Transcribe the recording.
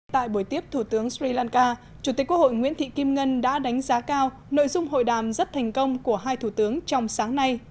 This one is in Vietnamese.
tại buổi tiếp thủ tướng sri lanka chủ tịch quốc hội nguyễn thị kim ngân đã đánh giá cao nội dung hội đàm rất thành công của hai thủ tướng trong sáng nay